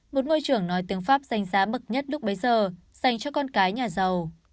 một ngôi trường nói tiếng pháp danh giá bậc nhất lúc bấy giờ dành cho con cái nhà giàu